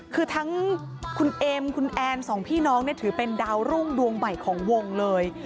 คือทั้งคุณเอ็มคุณแอนสองพี่น้องเนี่ยถือเป็นดาวรุ่งดวงใหม่ของวงเลย